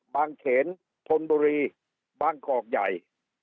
บางเข็นทนบุรีบางกอกใหญ่